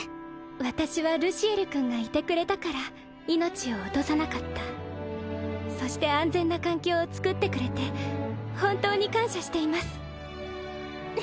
私はルシエル君がいてくれたから命を落とさなかったそして安全な環境を作ってくれて本当に感謝しています